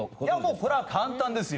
これは簡単ですよ。